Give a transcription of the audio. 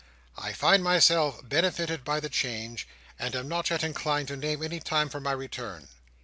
"I find myself benefited by the change, and am not yet inclined to name any time for my return."